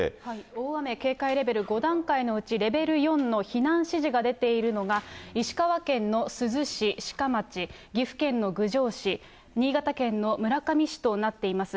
大雨警戒レベル５段階のうち、レベル４の避難指示が出ているのが、石川県の珠洲市、志賀町、岐阜県の郡上市、新潟県の村上市となっています。